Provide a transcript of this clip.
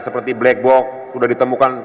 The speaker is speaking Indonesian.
seperti black box sudah ditemukan